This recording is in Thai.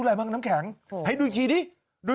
กะลาวบอกว่าก่อนเกิดเหตุ